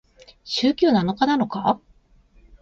週休七日なのか？